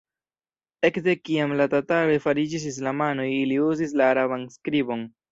Ekde kiam la tataroj fariĝis islamanoj ili uzis la araban skribon.